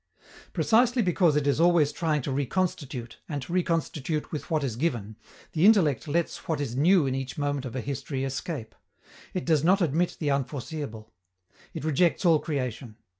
Precisely because it is always trying to reconstitute, and to reconstitute with what is given, the intellect lets what is new in each moment of a history escape. It does not admit the unforeseeable. It rejects all creation.